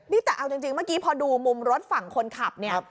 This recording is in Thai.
นี่แต่เอาจริงเมื่อกี้พอดูมุมรถฝั่งคนขับเนี่ย